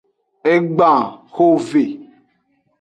Egban hove.